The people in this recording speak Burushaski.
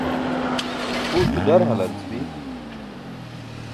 kʰulto ḍar halanc bi